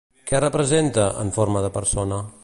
Què representa, en forma de persona?